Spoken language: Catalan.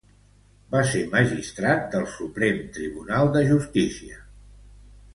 Va ser magistrat del Suprem Tribunal de Justícia.